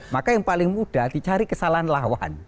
maka yang paling mudah dicari kesalahan lawan